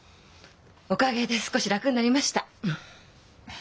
おかげで少し楽になりました。